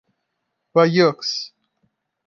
Bayeux